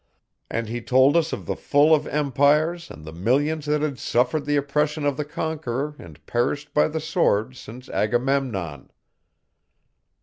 And he told us of the fall of empires and the millions that had suffered the oppression of the conqueror and perished by the sword since Agamemnon.